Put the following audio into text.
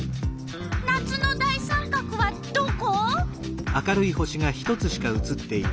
夏の大三角はどこ？